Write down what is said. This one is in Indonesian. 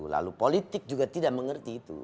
lalu politik juga tidak mengerti itu